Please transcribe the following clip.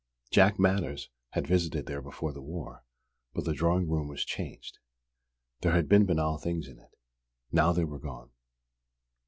Jack Manners had visited there before the war; but the drawing room was changed. There had been banal things in it. Now they were gone.